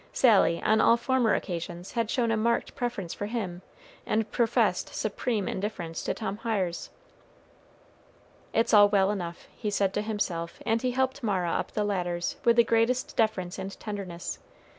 Sally, on all former occasions, had shown a marked preference for him, and professed supreme indifference to Tom Hiers. "It's all well enough," he said to himself, and he helped Mara up the ladders with the greatest deference and tenderness.